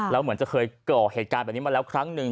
แล้วเหมือนจะเคยก่อเหตุการณ์แบบนี้มาแล้วครั้งหนึ่ง